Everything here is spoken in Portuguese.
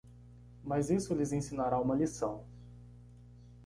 Mas isso lhes ensinará uma lição.